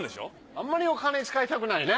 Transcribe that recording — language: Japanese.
あんまりお金使いたくないね。